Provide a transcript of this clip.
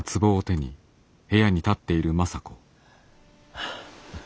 はあ。